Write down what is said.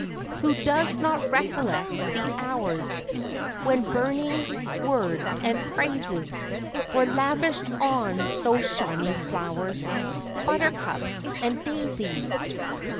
Who does not recollect the hours When burning words and praises Were lavished on those shining flowers, ŌĆ£ Buttercups and Daisies ŌĆØ